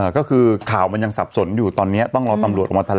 ก็คือข่าวมันยังสับสนอยู่ตอนนี้ต้องรอตำรวจออกมาแถลง